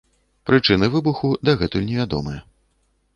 Прычыны выбуху дагэтуль невядомыя.